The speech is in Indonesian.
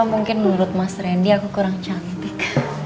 mungkin menurut mas randy aku kurang cantik